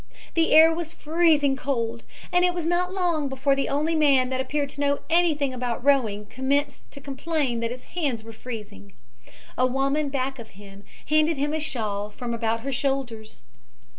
The air was freezing cold, and it was not long before the only man that appeared to know anything about rowing commenced to complain that his hands were freezing: A woman back of him handed him a shawl from about her shoulders.